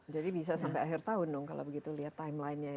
jadi bisa sampai akhir tahun dong kalau begitu lihat timelinenya